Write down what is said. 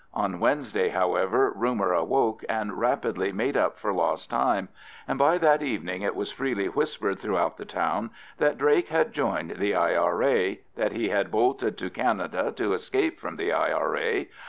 On Wednesday, however, rumour awoke and rapidly made up for lost time, and by that evening it was freely whispered throughout the town that Drake had joined the I.R.A.; that he had bolted to Canada to escape from the I.R.A.